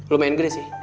lo main gini sih